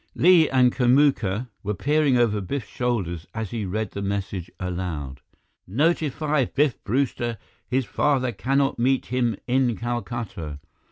Li and Kamuka were peering over Biff's shoulders as he read the message aloud: "NOTIFY BIFF BREWSTER HIS FATHER CANNOT MEET HIM IN CALCUTTA.